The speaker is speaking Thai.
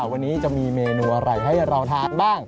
วันนี้จะมีเมนูอะไรให้เราทานบ้าง